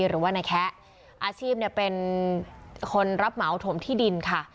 หรือว่านายแคะอาชีพเนี่ยเป็นคนรับเหมาถมที่ดินค่ะ